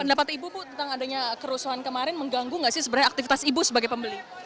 pendapat ibu bu tentang adanya kerusuhan kemarin mengganggu nggak sih sebenarnya aktivitas ibu sebagai pembeli